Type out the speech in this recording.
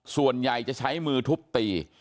ส่วนใหญ่จะใช้มือทุบตี